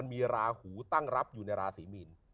มีลาหูตั้งรับในลาศิมีน